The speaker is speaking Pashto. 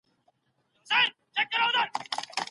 آيا راتلونکی نسل به ښه ژوند ولري؟